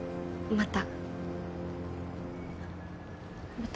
また。